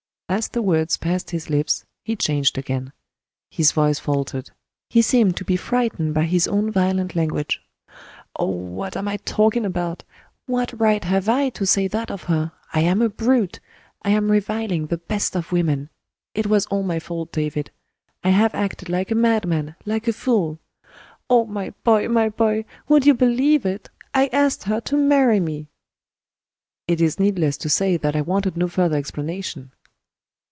As the words passed his lips, he changed again. His voice faltered; he seemed to be frightened by his own violent language. "Oh, what am I talking about! what right have I to say that of her! I am a brute I am reviling the best of women. It was all my fault, David I have acted like a madman, like a fool. Oh, my boy! my boy! would you believe it? I asked her to marry me!" It is needless to say that I wanted no further explanation.